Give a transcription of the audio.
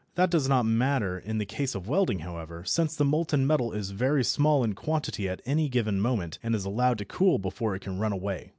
That does not matter in the case of welding, however, since the molten metal is very small in quantity at any given moment, and is allowed to cool before it can run away.